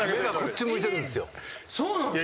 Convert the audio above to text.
そうなんですか？